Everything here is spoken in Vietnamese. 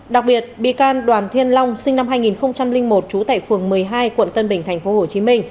đặc biệt bị can đoàn thiên long sinh năm hai nghìn một trú tại phường một mươi hai quận tân bình tp hcm